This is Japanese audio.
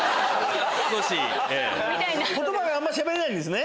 言葉があんましゃべれないんですね。